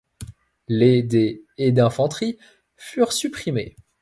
Les des et d'infanterie furent supprimés.